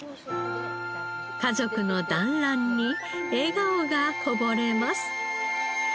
家族の団らんに笑顔がこぼれます。